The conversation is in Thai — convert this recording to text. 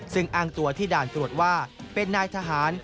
ซึ่งอ้างตัวที่ด่านตรวจว่าเป็นนายทหาร